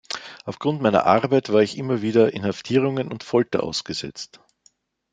Aufgrund meiner Arbeit war ich immer wieder Inhaftierungen und Folter ausgesetzt.